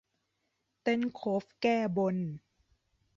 เต้นโคฟแก้บน